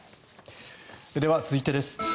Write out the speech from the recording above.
では、続いてです。